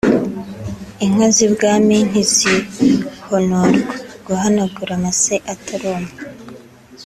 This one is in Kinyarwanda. inka z’i Bwami ntizihonorwa (guhanagura amase ataruma)